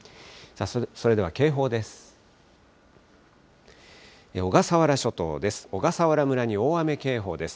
それでは警報です。